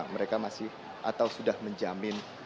mereka masih atau sudah menjamin